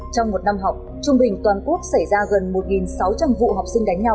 trong một năm học trung bình toàn quốc xảy ra gần một sáu trăm linh vụ học sinh đánh nhau